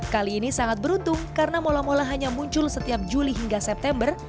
kali ini sangat beruntung karena mola mola hanya muncul setiap juli hingga september